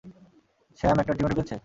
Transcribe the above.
Sam একটা টিমে ঢুকেছে?